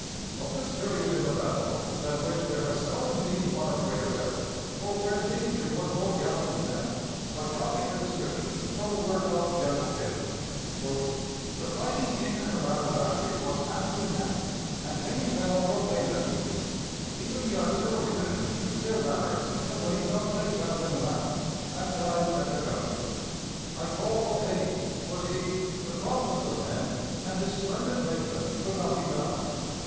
Of this period in the battle, than which there has seldom been one of greater peril, or where danger was more gallantly met, I copy a description from the work of General Taylor: "The fighting in and around the battery was hand to hand, and many fell from bayonet wounds. Even the artillerymen used their rammers in a way not laid down in the manual, and died at their guns. I called for Hayes, but he, the promptest of men, and his splendid regiment could not be found.